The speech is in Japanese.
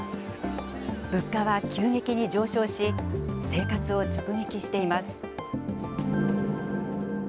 物価は急激に上昇し、生活を直撃しています。